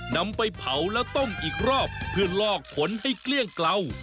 นำไปเผาและต้มอีกรอบเพื่อลอกผลให้เกลี้ยงเกลา